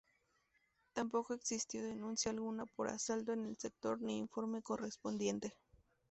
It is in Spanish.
Tampoco existió denuncia alguna por asalto en el sector ni informe correspondiente.